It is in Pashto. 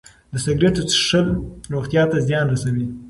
د سګرټو څښل روغتیا ته زیان رسوي.